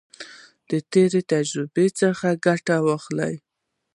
د تیرو تجربو څخه ګټه واخلئ.